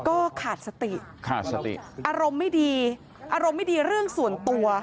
ก็ขาดสติขาดสติอารมณ์ไม่ดีอารมณ์ไม่ดีเรื่องส่วนตัว